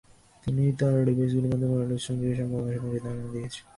তিনি তার ডিভাইসগুলির মাধ্যমে ওয়্যারলেস যোগাযোগের সম্ভাবনা সম্পর্কে ধারণা দিয়েছিলেন।